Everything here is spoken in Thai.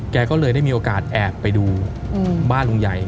แกก็เลยได้มีโอกาสแอบไปดูบ้านลุงใหญ่